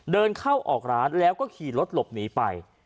เดินเข้าออกร้านแล้วก็ขี่รถหลบหนีไป